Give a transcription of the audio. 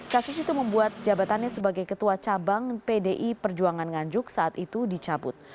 kasus itu membuat jabatannya sebagai ketua cabang pdi perjuangan nganjuk saat itu dicabut